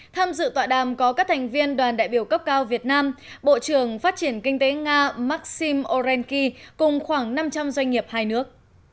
tham dự tọa đàm có các thành viên đoàn đại biểu cấp cao việt nam bộ trưởng phát triển kinh tế nga maxim oreenki cùng khoảng năm trăm linh doanh nghiệp hai nước